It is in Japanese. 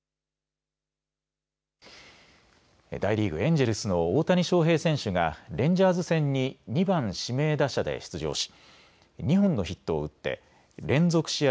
大リーグ、エンジェルスの大谷翔平選手がレンジャーズ戦に２番・指名打者で出場し２本のヒットを打って連続試合